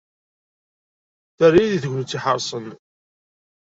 Terra-yi deg tegnit iḥerṣen.